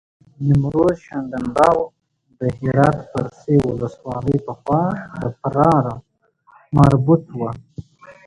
نیمروز، شینډنداو د هرات فرسي ولسوالۍ پخوا د فراه مربوط وه.